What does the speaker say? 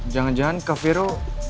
jangan jangan kak vero